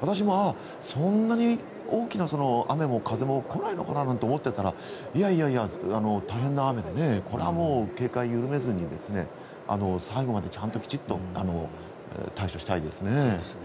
私もあ、そんなに大きな雨も風も来ないのかななんて思っていたらいやいや、大変な雨でこれは警戒を緩めずに最後までちゃんときちんと対処したいですね。